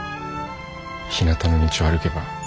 ひなたの道を歩けば。